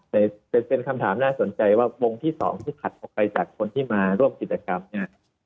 แต่เป็นคำถามน่าสนใจว่าวงที่๒ที่ถัดออกไปจากคนที่มาร่วมกิจกรรมเนี่ย